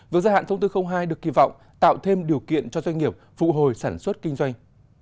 với gia hạn thông tư hai được kỳ vọng tạo thêm điều kiện cho doanh nghiệp phụ hồi sản xuất kinh doanh